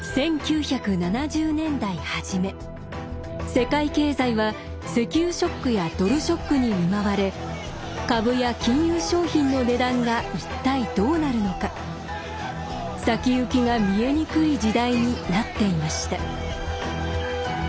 世界経済は石油ショックやドルショックに見舞われ株や金融商品の値段が一体どうなるのか先行きが見えにくい時代になっていました。